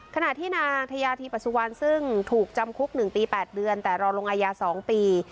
ขณะที่นางทยาธีปสุวรรณซึ่งถูกจำคุก๑ปี๘เดือนแต่รอลงอายา๒ปี